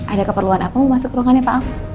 ada keperluan apa mau masuk ruangannya pak al